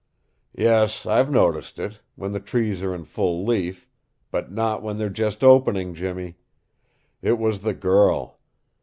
"Yes, I've noticed it, when the trees are in full leaf, but not when they're just opening, Jimmy. It was the girl.